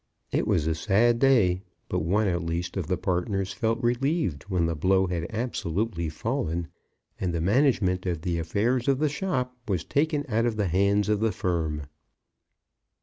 It was a sad day; but one, at least, of the partners felt relieved when the blow had absolutely fallen, and the management of the affairs of the shop was taken out of the hands of the firm.